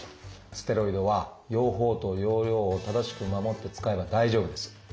ステロイドは用法と用量を正しく守って使えば大丈夫です。